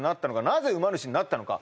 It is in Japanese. なぜ馬主になったのか？